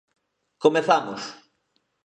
Comezamos!